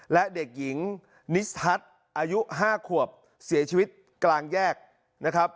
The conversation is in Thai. และเด็กหญิงนิสทัศน์อายุ๕ขวบเสียชีวิตกลางแยกนะครับ